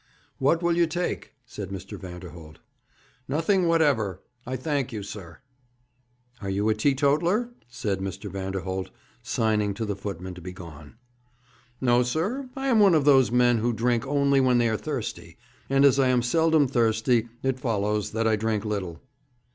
'What will you take?' said Mr. Vanderholt. 'Nothing whatever, I thank you, sir.' 'Are you a teetotaler?' said Mr. Vanderholt, signing to the footman to be gone. 'No, sir. I am one of those men who drink only when they are thirsty, and as I am seldom thirsty it follows that I drink little.'